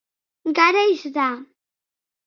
Garaiz da.